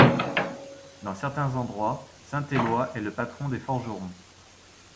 Dans certains endroits, Saint Éloi est le patron des forgerons.